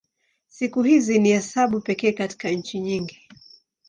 Siku hizi ni hesabu pekee katika nchi nyingi.